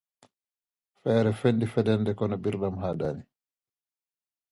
The Venom symbiote also breaks free and escapes.